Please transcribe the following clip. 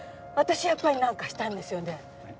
私やっぱりなんかしたんですよね？